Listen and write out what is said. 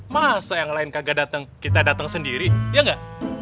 masa yang lain kagak datang kita datang sendiri ya enggak